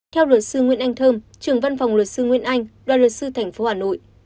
theo luật sư nguyễn anh thơm trưởng văn phòng luật sư nguyễn anh đoàn luật sư tp hà nội